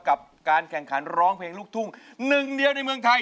กับการแข่งขันร้องเพลงลูกทุ่งหนึ่งเดียวในเมืองไทย